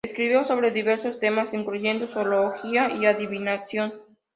Escribió sobre diversos temas, incluyendo zoología y adivinación.